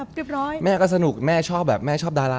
พี่เริ่มมาเป็นอย่างงี้พ่อเป็นอย่างงี้พ่อเป็นอย่างงี้